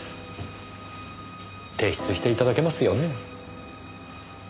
提出していただけますよね？